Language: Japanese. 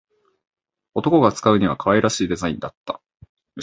男が使うには可愛らしいデザインだった